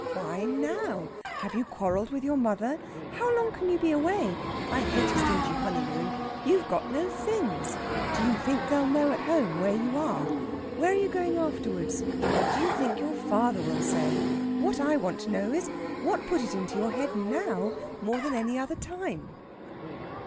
"Why now? Have you quarrelled with your mother?" "How long can you be away? I hate a stingy honeymoon!" "You've got no things." "Do you think they'll know at home where you are?" "Where are you going afterwards?" "What do you think your father will say?" "What I want to know is, what put it into your head now, more than any other time?"